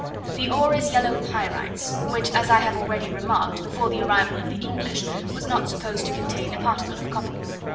The ore is yellow pyrites, which, as I have already remarked, before the arrival of the English, was not supposed to contain a particle of copper.